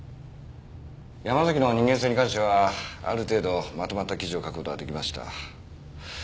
山崎の人間性に関してはある程度まとまった記事を書く事が出来ました。